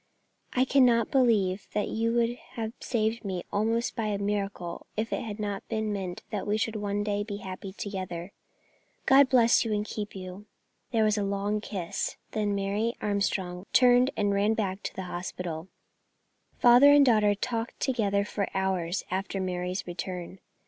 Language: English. I cannot believe that you would have saved me almost by a miracle, if it had not been meant we should one day be happy together. God bless you and keep you." There was a long kiss, and then Mary Armstrong turned and ran back to the hospital. Father and daughter talked together for hours after Mary's return.